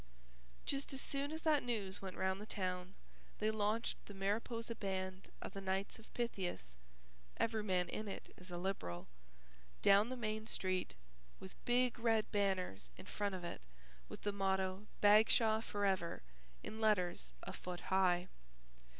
Just as soon as that news went round the town, they launched the Mariposa band of the Knights of Pythias (every man in it is a Liberal) down the Main Street with big red banners in front of it with the motto BAGSHAW FOREVER in letters a foot high.